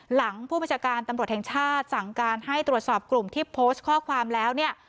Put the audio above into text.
หลังผู้บัญชาการตำรวจแห่งชาติสั่งการให้ตรวจสอบกลุ่มที่โพสต์ข้อความแล้วเนี่ย